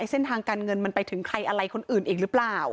เส้นทางการเงินมันไปถึงใครอะไรคนอื่นอีกหรือเปล่า